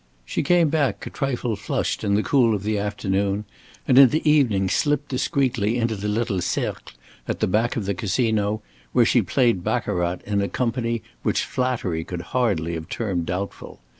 She came back a trifle flushed in the cool of the afternoon, and in the evening slipped discreetly into the little Cercle at the back of the Casino, where she played baccarat in a company which flattery could hardly have termed doubtful.